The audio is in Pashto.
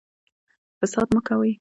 فساد مه کوئ